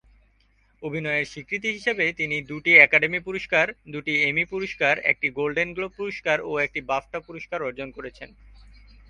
অভিনয়ের স্বীকৃতি হিসেবে তিনি দুটি একাডেমি পুরস্কার, দুটি এমি পুরস্কার, একটি গোল্ডেন গ্লোব পুরস্কার ও একটি বাফটা পুরস্কার অর্জন করেছেন।